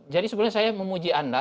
jadi sebelumnya saya memuji anda